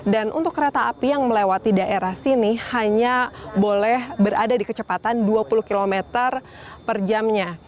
dan untuk kereta api yang melewati daerah sini hanya boleh berada di kecepatan dua puluh km per jamnya